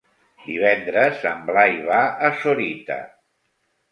Divendres en Blai va a Sorita.